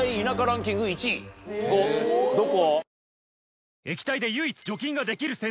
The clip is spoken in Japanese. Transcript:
どこ？